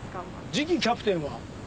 次期キャプテンは？